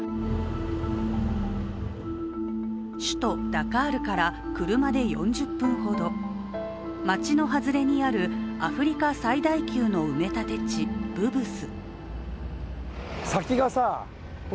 首都ダカールから車で４０分ほど、街の外れにあるアフリカ最大級の埋立地、ブブス。